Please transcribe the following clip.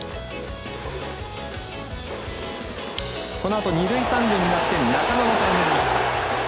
このあと二塁三塁になって中野がタイムリーヒット。